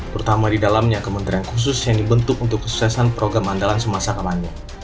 terutama di dalamnya kementerian khusus yang dibentuk untuk kesuksesan program andalan semasa kamannya